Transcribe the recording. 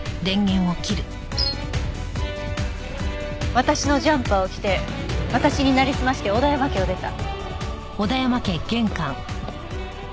私のジャンパーを着て私に成りすまして小田山家を出た。